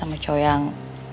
sama cowo yang